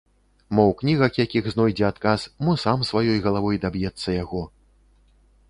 Мо ў кнігах якіх знойдзе адказ, мо сам, сваёй галавой даб'ецца яго.